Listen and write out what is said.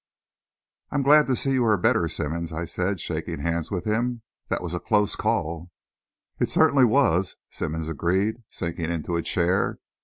"I'm glad to see you are better, Simmonds," I said, shaking hands with him. "That was a close call." "It certainly was," Simmonds agreed, sinking into a chair.